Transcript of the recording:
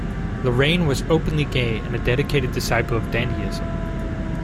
Lorrain was openly gay and a dedicated disciple of dandyism.